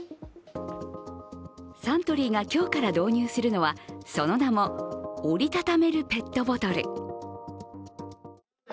サントリーが今日から導入するのはその名も折りたためるペットボトル。